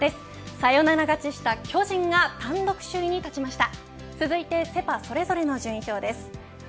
サヨナラ勝ちした巨人が単独首位に立ちました。